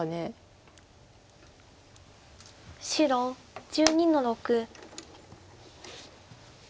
白１２の六。